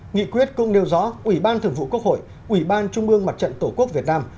nghị quyết cũng nêu rõ ủy ban thường vụ quốc hội ủy ban trung ương mặt trận tổ quốc việt nam